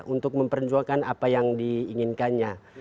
untuk memperjuangkan apa yang diinginkannya